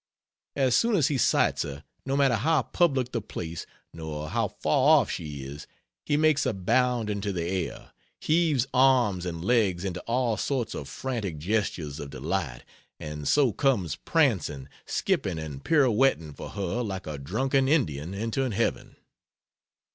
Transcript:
As soon as he sights her, no matter how public the place nor how far off she is, he makes a bound into the air, heaves arms and legs into all sorts of frantic gestures of delight, and so comes prancing, skipping and pirouetting for her like a drunken Indian entering heaven.